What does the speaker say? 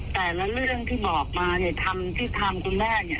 แต่ละเรื่องที่บอกมาเนี่ยทำที่ทำคุณแม่เนี่ย